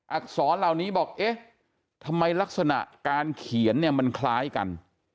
อักษรเหล่านี้บอกเอ๊ะทำไมลักษณะการเขียนเนี่ยมันคล้ายกัน